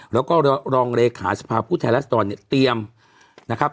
แล้วก็รองเลขาสภาพผู้แทนรัศดรเนี่ยเตรียมนะครับ